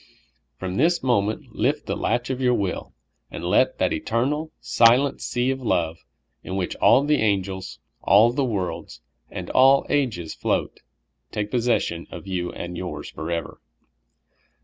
From this moment lift the latch of your will, and let that eternal, silent sea of love, in which all the angels, all the worlds, and all ages float, take posses sion of you and 3^ours forever.